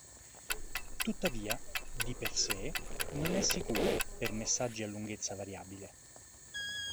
Tuttavia, di per sé, non è sicuro per messaggi a lunghezza variabile.